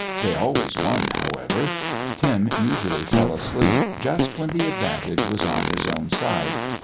They always won, however; Tim usually fell asleep just when the advantage was on his own side.